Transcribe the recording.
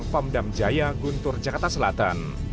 pamdam jaya guntur jakarta selatan